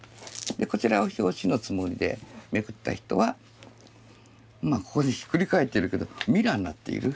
こちらを表紙のつもりでめくった人はここでひっくり返ってるけどミラーになっている。